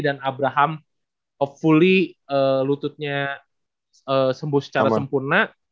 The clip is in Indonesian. dan abraham hopefully lututnya sembuh secara sempurna